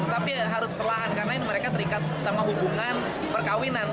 tapi harus perlahan karena ini mereka terikat sama hubungan perkawinan